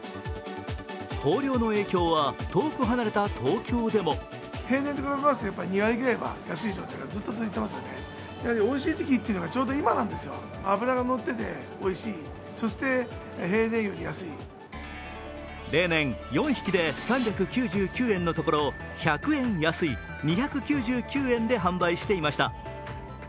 豊漁の影響は遠く離れた東京でも例年、４匹で３９９円のところ１００円安い２９９円で販売していました。